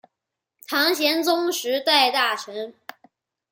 唐玄宗时代大臣。